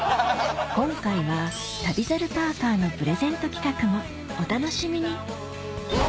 今回は旅猿パーカーのプレゼント企画もお楽しみにうわ！